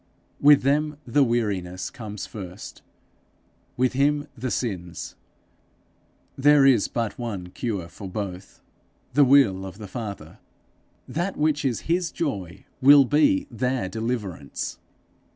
With them the weariness comes first; with him the sins: there is but one cure for both the will of the Father. That which is his joy will be their deliverance!